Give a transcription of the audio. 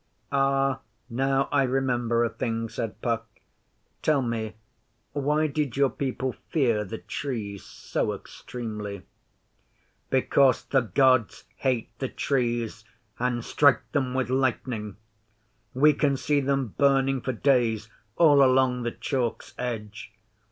'Ah, now I remember a thing,' said Puck. 'Tell me, why did your people fear the Trees so extremely?' 'Because the Gods hate the Trees and strike them with lightning. We can see them burning for days all along the Chalk's edge.